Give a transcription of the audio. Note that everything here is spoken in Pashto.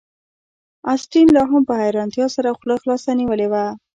اسټین لاهم په حیرانتیا سره خوله خلاصه نیولې وه